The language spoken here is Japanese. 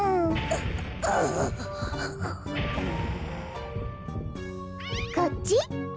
う。こっち？